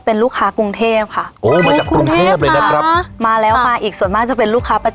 โอ้โฮ